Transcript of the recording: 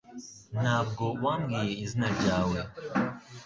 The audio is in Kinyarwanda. Ntabwo wambwiye izina ryawe